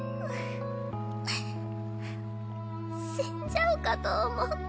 死んじゃうかと思った。